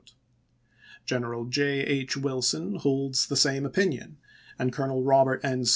General J. H. Wilson holds the same opinion ; and Colonel Robert N.